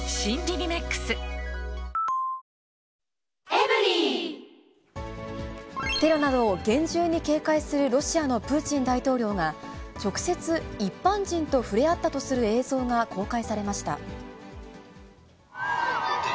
「エリエール」マスクもテロなどを厳重に警戒するロシアのプーチン大統領が、直接、一般人と触れ合ったとする映像が公開されました。